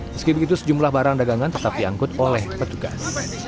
meski begitu sejumlah barang dagangan tetap diangkut oleh petugas